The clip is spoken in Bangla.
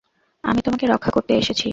আমি তোমাকে রক্ষা করতে এসেছি!